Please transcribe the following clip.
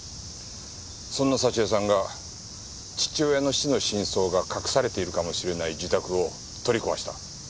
そんな沙知絵さんが父親の死の真相が隠されているかもしれない自宅を取り壊した。